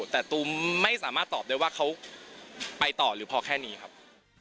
แต่ตูมไม่สามารถตอบได้ว่าเขาไปต่อหรือพอแค่นี้ครับ